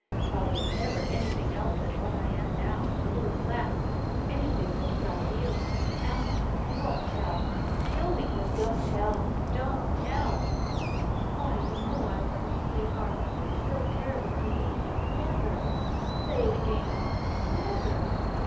If I was ever anything else than what I am now — ^to Louis Latz — anything but his ideal — Alma, you won't tell! Kill me, but don't tell — don't tell!" "Why, you know I wouldn't, sweetheart, if it is so terrible to you. Never. '' "Say it again." "Never."